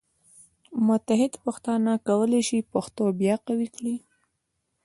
متحد پښتانه کولی شي پښتو بیا قوي کړي.